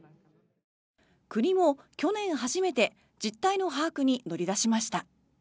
国も去年、初めて実態の把握に乗り出しました。